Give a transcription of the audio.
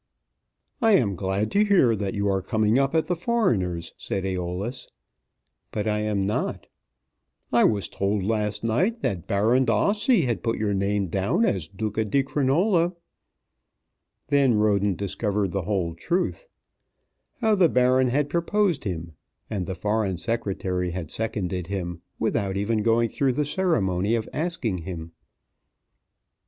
"I am glad to hear that you are coming up at the Foreigners," said Æolus. "But I am not." "I was told last night that Baron D'Ossi had put your name down as Duca di Crinola." Then Roden discovered the whole truth, how the Baron had proposed him and the Foreign Secretary had seconded him, without even going through the ceremony of asking him.